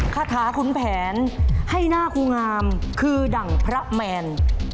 คาถาขุนแผนให้หน้าครูงามคือดั่งพระแมน